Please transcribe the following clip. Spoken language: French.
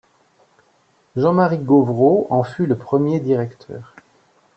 Jean-Marie Gauvreau en fut le premier directeur.